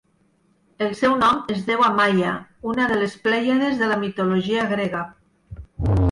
El seu nom es deu a Maia, una de les plèiades de la mitologia grega.